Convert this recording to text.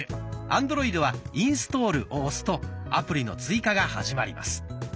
アンドロイドは「インストール」を押すとアプリの追加が始まります。